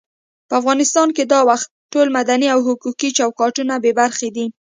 په افغانستان کې دا وخت ټول مدني او حقوقي چوکاټونه بې برخې دي.